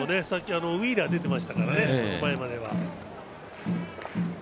さっきウィーラー出てましたからね５回までは。